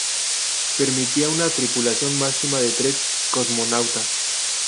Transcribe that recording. Permitía una tripulación máxima de tres cosmonautas.